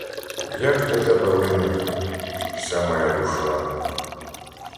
Як до тебе лине вся моя душа!